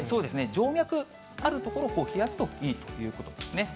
静脈ある所を冷やすといいということですね。